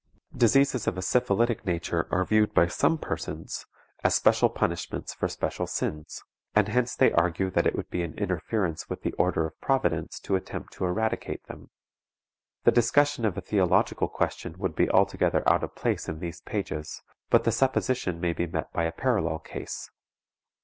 Diseases of a syphilitic nature are viewed by some persons as special punishments for special sins, and hence they argue that it would be an interference with the order of Providence to attempt to eradicate them. The discussion of a theological question would be altogether out of place in these pages, but the supposition may be met by a parallel case.